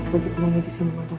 seperti pemilik medis yang mengaduk